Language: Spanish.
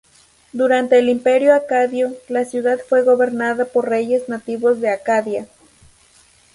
Durante el Imperio Acadio, la ciudad fue gobernada por reyes nativos de Acadia.